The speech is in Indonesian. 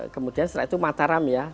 kemudian setelah itu mataram ya